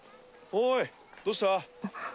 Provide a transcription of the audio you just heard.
おいどうした？